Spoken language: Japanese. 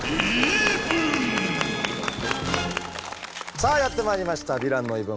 さあやってまいりました「ヴィランの言い分」。